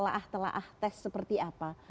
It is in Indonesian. saat ini satu menyiapkan pr